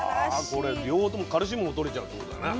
これ両方ともカルシウムもとれちゃうってことだね。